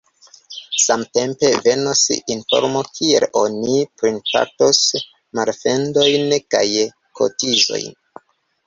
Samtempe venos informo, kiel oni pritraktos malmendojn kaj kotizojn.